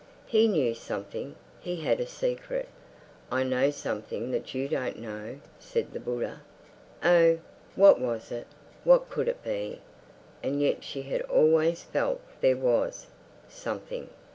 He knew something; he had a secret. "I know something that you don't know," said her Buddha. Oh, what was it, what could it be? And yet she had always felt there was... something.